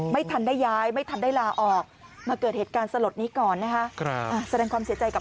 ไม่ทันได้ย้ายไม่ทันได้ลาออก